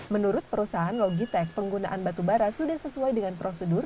menurut perusahaan logitek penggunaan batubara sudah sesuai dengan prosedur